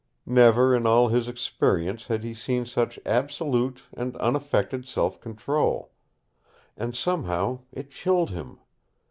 Never in all his experience had he seen such absolute and unaffected self control. And somehow, it chilled him.